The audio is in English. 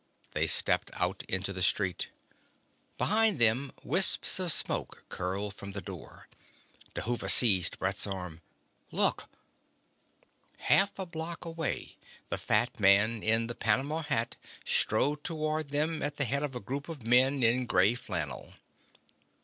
They stepped out into the street. Behind them wisps of smoke curled from the door. Dhuva seized Brett's arm. "Look!" Half a block away the fat man in the panama hat strode toward them at the head of a group of men in grey flannel.